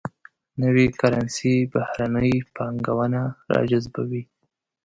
نوي کرنسي بهرنۍ پانګونه راجذبوي.